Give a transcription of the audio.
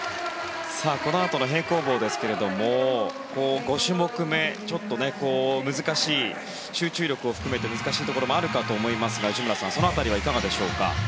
このあとの平行棒ですが５種目目、ちょっと難しい集中力を含めて難しいところもあると思いますが内村さん、その辺りはいかがでしょうか？